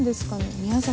宮崎。